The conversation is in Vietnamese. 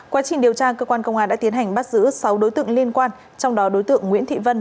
quá trình điều tra cơ quan công an đã tiến hành bắt giữ sáu đối tượng liên quan trong đó đối tượng nguyễn thị vân